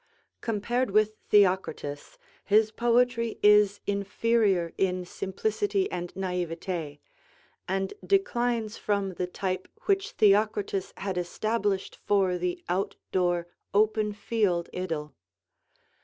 Compared with Theocritus, his poetry is inferior in simplicity and naïveté, and declines from the type which Theocritus had established for the out door, open field idyl.